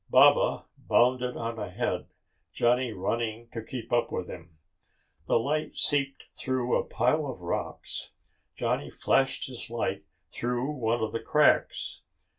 Baba bounded on ahead, Johnny running to keep up with him. The light seeped through a pile of rocks. Johnny flashed his light through one of the cracks.